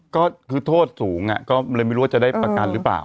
ก็คือโทษสูงก็เลยไม่รู้ว่าจะได้ประกันหรือเปล่า